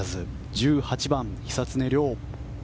１８番、久常涼。